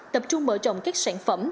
tập trung mở rộng các sản phẩm